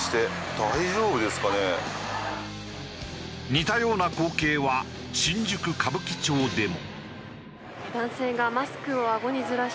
似たような光景は新宿歌舞伎町でも。